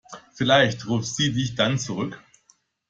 Vielleicht ruft sie dich dann zurück.